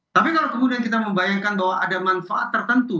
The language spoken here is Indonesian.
tapi kalau kemudian kita membayangkan bahwa ada manfaat tertentu